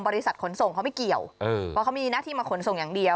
ขนส่งเขาไม่เกี่ยวเพราะเขามีหน้าที่มาขนส่งอย่างเดียว